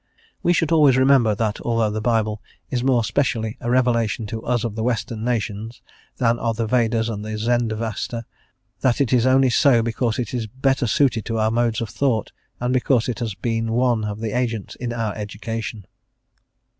We should always remember that although the Bible is more specially a revelation to us of the Western nations than are the Vedas and the Zend Avesta, that it is only so because it is better suited to our modes of thought, and because it has been one of the agents in our education.